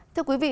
thưa quý vị